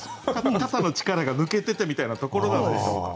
肩の力が抜けててみたいなところなんでしょうか。